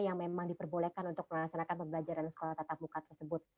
yang memang diperbolehkan untuk melaksanakan pembelajaran sekolah tatap muka tersebut